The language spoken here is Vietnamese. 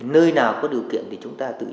nơi nào có điều kiện thì chúng ta tự